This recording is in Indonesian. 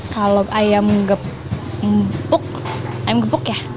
kalau ayam gepuk ayam gepuk ya